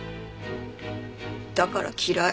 だから嫌い。